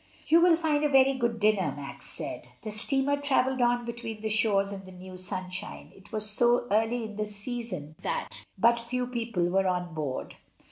"You will find a very good dinner," Max said. The steamer travelled on between the shores in the new sunshine. It was so early in the season 90 MRS. DYMOND. that but few people were on board.